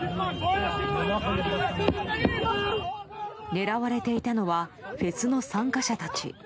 狙われていたのはフェスの参加者たち。